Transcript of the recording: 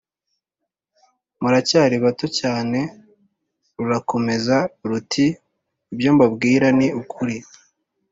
muracyari bato cyane!» rurakomeza ruti «ibyo mbabwira ni ukuli,